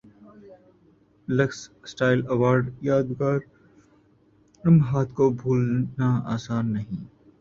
looks style award یادگار لمحات کو بھولنا اسان نہیں